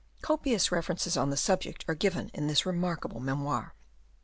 Copious references on the subject are given in this remarkable memoir.